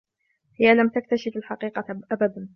هي لم تكتشف الحقيقة أبدا.